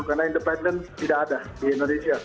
karena independen tidak ada di indonesia